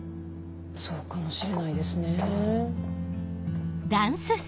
そうかもしれないですねぇ。